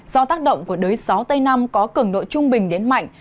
do tác động của đới gió tây nam có cường độ trung bình đến mạnh